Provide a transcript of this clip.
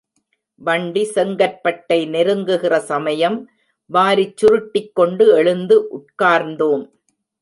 வண்டி செங்கற்பட்டை நெருங்குகிற சமயம் வாரிச் சுருட்டிக்கொண்டு எழுந்து உட்கார்ந்தோம்.